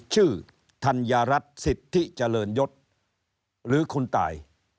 ธัญรัฐสิทธิเจริญยศหรือคุณตาย